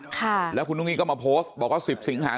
ค้าแล้วคุณดูหลุงอิงก็มาโพสต์บอกว่าสิบสิงหาคม